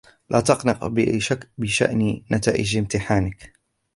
لا تقلق بشأن نتائج إمتحانك.